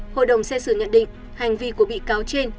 hội đồng xe sử nhận định hành vi của bị cao trên